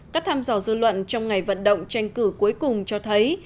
các tham dò dư luận trong ngày vận động tranh cử cuối cùng cho thấy